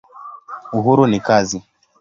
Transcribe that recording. Uhuru ni kazi.